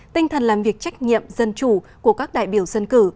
tinh thần làm việc trách nhiệm dân chủ của các đại biểu dân cử